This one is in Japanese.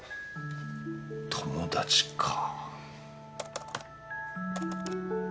友達か。